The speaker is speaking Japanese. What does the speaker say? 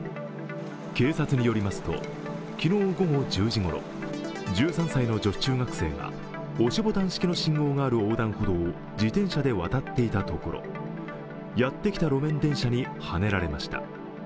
警察によりますと昨日午後１０時ごろ、１３歳の女子中学生が押しボタン式の信号がある横断歩道を自転車で渡っていたところ、やってきた路面電車にはねられました。